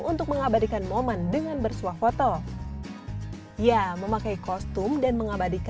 untuk mengabadi kota ini bisa menjadi tempat yang sangat menarik